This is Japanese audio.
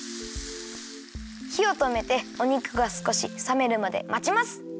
ひをとめてお肉がすこしさめるまでまちます。